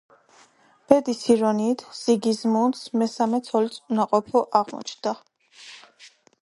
ბედის ირონიით, სიგიზმუნდს მესამე ცოლიც უნაყოფო აღმოაჩნდა.